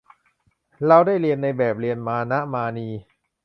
เราได้เรียนในแบบเรียนมานะมานี